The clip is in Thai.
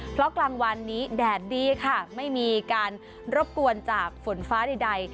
เพราะกลางวันนี้แดดดีค่ะไม่มีการรบกวนจากฝนฟ้าใด